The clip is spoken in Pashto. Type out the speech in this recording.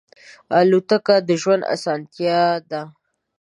الوتکه د ژوند آسانتیا ده.